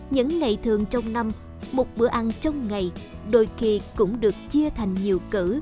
những ngày thường trong năm một bữa ăn trong ngày đôi khi cũng được chia thành nhiều cử